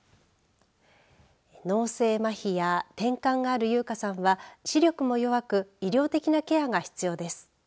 脳性まひやてんかんがある邑果さんは視力も弱く医療的なケアが必要です。